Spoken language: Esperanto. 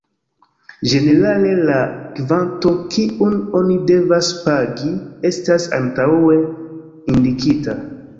Ĝenerale la kvanto, kiun oni devas pagi estas antaŭe indikita.